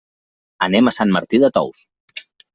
Anem a Sant Martí de Tous.